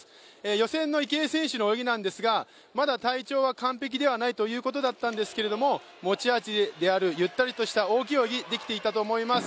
予選の池江選手の泳ぎなんですが、まだ体調は完璧ではないということだったんですけど持ち味であるゆったりとした大きい泳ぎ、できていたと思います。